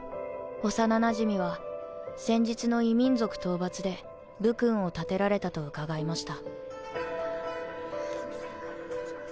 幼なじみは先日の異民族討伐で武勲を立てられたと伺いました。